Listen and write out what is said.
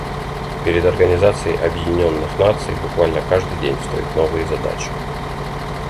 Перед Организацией Объединенных Наций буквально каждый день встают новые задачи.